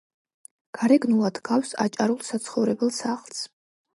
გარეგნულად ჰგავს აჭარულ საცხოვრებელ სახლს.